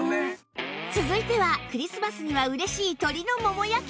続いてはクリスマスには嬉しい鶏のもも焼き